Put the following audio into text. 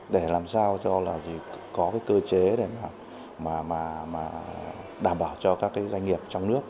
để làm sao cho là có cái cơ chế để mà đảm bảo cho các doanh nghiệp trong nước